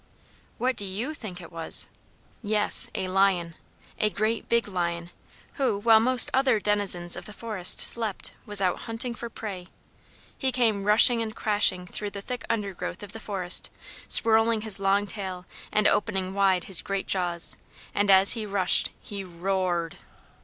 "_ What do you think it was?... Yes, a LION! A great, big lion who, while most other denizens of the forest slept, was out hunting for prey. He came rushing and crashing through the thick undergrowth of the forest, swirling his long tail and opening wide his great jaws, and as he rushed he RO AR R R ED!